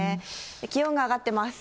気温が上がってます。